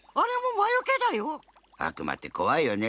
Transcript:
あくまってこわいよね。